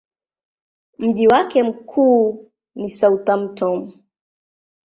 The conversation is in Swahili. Mji wake mkuu ni Southampton.